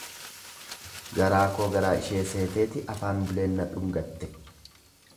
Garaa koo garaa ishee seeteeti afaan buleen na dhungatte.